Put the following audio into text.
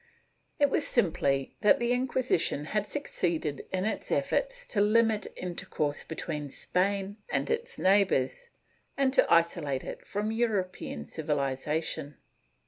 It was simply that the Inquisition had succeeded in its efforts to limit intercourse between Spain and its neighbors, and to isolate it from European civilization.